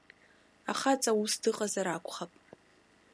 Ахаҵа ус дыҟазар акәхап.